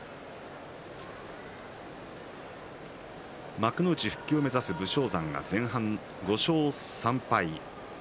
幕内復帰を目指す武将山が前半５勝３敗。